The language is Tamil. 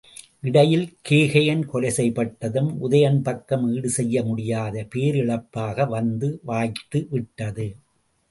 இடையில் கேகயன் கொலை செய்யப்பட்டதும் உதயணன் பக்கம் ஈடுசெய்ய முடியாத பேரிழப்பாக வந்து வாய்த்து விட்டது.